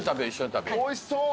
おいしそう。